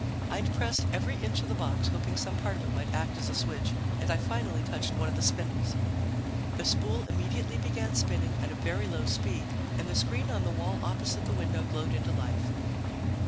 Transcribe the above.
I'd pressed every inch of the box, hoping some part of it might act as a switch, and I finally touched one of the spindles. The spool immediately began spinning at a very low speed and the screen on the wall opposite the window glowed into life.